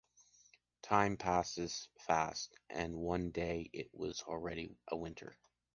Time passes fast, and one day it was already a winter.